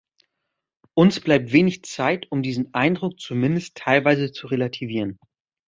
Uns bleibt wenig Zeit, um diesen Eindruck zumindest teilweise zu relativieren.